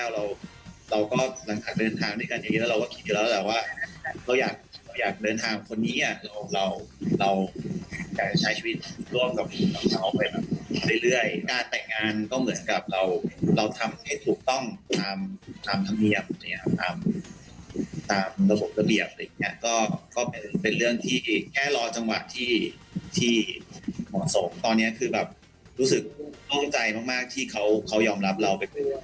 รอจังหวะที่เหมาะสมตอนนี้คือแบบรู้สึกโทษใจมากที่เขายอมรับเราไปขอบโทษเขาแล้ว